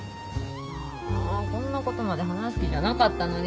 ああこんなことまで話す気じゃなか